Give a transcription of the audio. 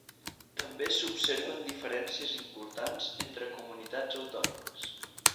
També s'observen diferències importants entre comunitats autònomes.